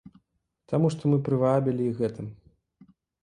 Таму што мы прывабілі іх гэтым.